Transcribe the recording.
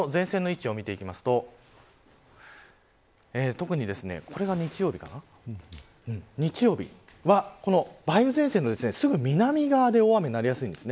前線の位置を見ていくと日曜日は、梅雨前線のすぐ南側で大雨になりやすいです。